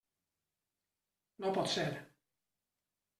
No pot ser.